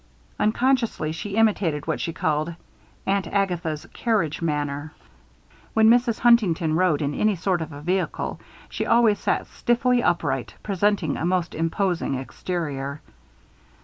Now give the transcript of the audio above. Unconsciously she imitated what she called "Aunt Agatha's carriage manner." When Mrs. Huntington rode in any sort of a vehicle, she always sat stiffly upright, presenting a most imposing exterior.